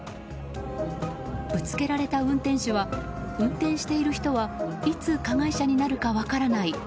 ぶつけられた運転手は運転している人はいつ加害者になるか分からない